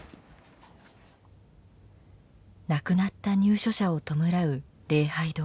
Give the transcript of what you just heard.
亡くなった入所者を弔う礼拝堂。